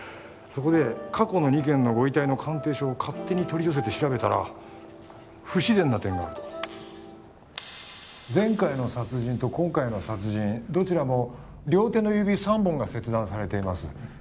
そこで過去の二件のご遺体の鑑定書を勝手に取り寄せて調べたら不自然な点があると前回の殺人と今回の殺人どちらも両手の指三本が切断されています